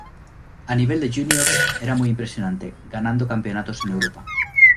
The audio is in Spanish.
A nivel de juniors era muy impresionante, ganando campeonatos en Europa.